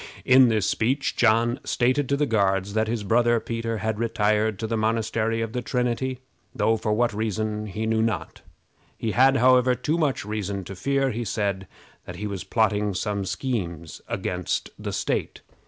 In this speech John stated to the Guards that his brother Peter had retired to the Monastery of the Trinity, though for what reason he knew not. He had, however, too much reason to fear, he said, that he was plotting some schemes against the state.